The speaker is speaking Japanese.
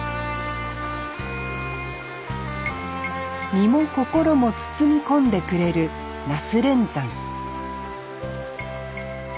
身も心も包み込んでくれる那須連山